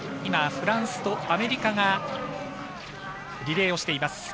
フランスとアメリカがリレーをしています。